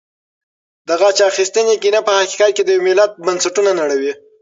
د غچ اخیستنې کینه په حقیقت کې د یو ملت بنسټونه نړوي.